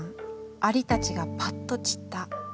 蟻たちがパッと散った。